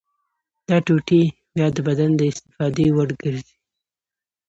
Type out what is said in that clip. دا ټوټې بیا د بدن د استفادې وړ ګرځي.